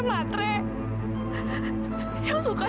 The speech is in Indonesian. kenapa a'a pikir des itu cewek matre